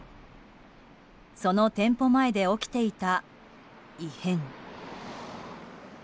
その店舗前で起きていた異変。